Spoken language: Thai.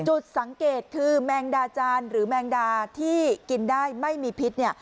จุดสังเกตคือแมงดาจานหรือแมงดาที่กินได้ไม่มีพิษเนี่ย